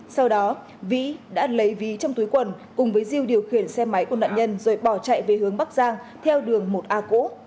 sau đó vĩ đã lấy ví trong túi quần cùng với diêu điều khiển xe máy của nạn nhân rồi bỏ chạy về hướng bắc giang theo đường một a cũ